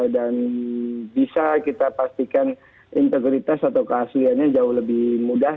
dan bisa kita pastikan integritas atau kehasilannya jauh lebih mudah